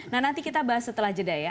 nah nanti kita bahas setelah jeda ya